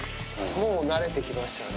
もう慣れてきましたね。